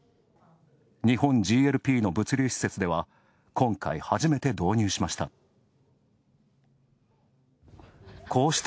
日本ＧＬＰの物流施設では今回、初めて導入しました。